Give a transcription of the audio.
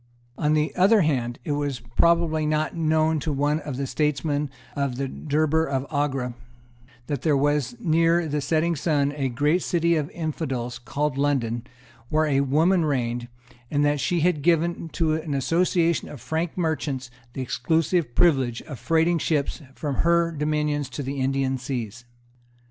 On the other hand, it was probably not known to one of the statesmen in the Durbar of Agra that there was near the setting sun a great city of infidels, called London, where a woman reigned, and that she had given to an association of Frank merchants the exclusive privilege of freighting ships from her dominions to the Indian seas.